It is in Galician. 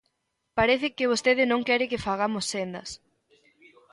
Parece que vostede non quere que fagamos sendas.